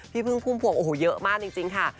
พี่พึ่งภูมิภวกโอ้โหเยอะมากจริงค่ะ